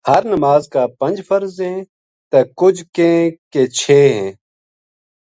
ہر نماز کا پنج فرض ہیں۔ تے کجھ کہیں کہ چھ ہیں